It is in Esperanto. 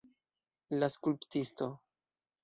La skulptisto.